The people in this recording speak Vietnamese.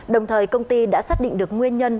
đồng thời công ty đã xác định được nguyên nhân